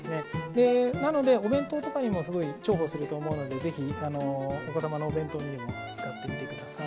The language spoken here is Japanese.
でなのでお弁当とかにもすごい重宝すると思うので是非お子様のお弁当にでも使ってみて下さい。